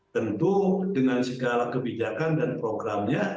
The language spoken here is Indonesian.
tentu dengan segala kebijakan dan programnya